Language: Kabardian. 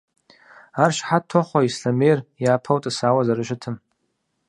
Ар щыхьэт тохъуэ Ислъэмейр япэу тӀысауэ зэрыщытым.